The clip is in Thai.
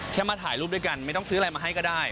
มาถ่ายรูปด้วยกันไม่ต้องซื้ออะไรมาให้ก็ได้